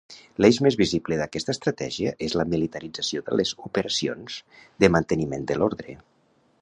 L'eix més visible d'aquesta estratègia és la militarització de les operacions de manteniment de l'ordre.